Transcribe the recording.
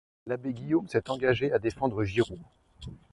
L'abbé Guillaume s'est engagé à défendre Giraud.